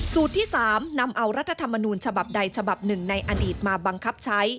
ที่๓นำเอารัฐธรรมนูญฉบับใดฉบับหนึ่งในอดีตมาบังคับใช้